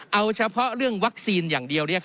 เอาเฉพาะเรื่องวัคซีนอย่างเดียว